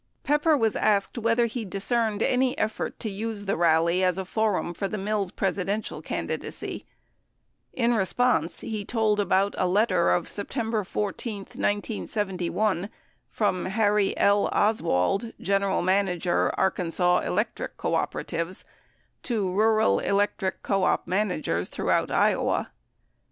60 Pepper was asked whether he discerned any etfort to use the rally as a forum for the Mills Presidential candidacy. In response, he told about a letter of September 14, 1971, from Harry L. Oswald, general manager, Arkansas Electric Cooperatives, 61 to rural electric co op managers throughout Iowa.